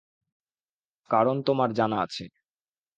কারণ তোমার জানা আছে।